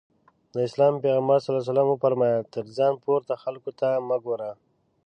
د اسلام پيغمبر ص وفرمايل تر ځان پورته خلکو ته مه ګورئ.